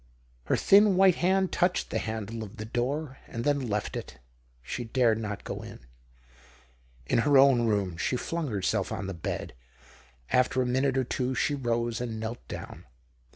95 Her thin white hand touched the handle of the door and then left it. 8he dared not go in. In her own room, she flung herself on the hed ; after a minute or two she rose and knelt down.